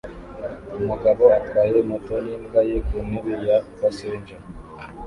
Umugabo atwaye moto n'imbwa ye ku ntebe ya passenager